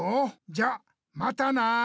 じゃまたな！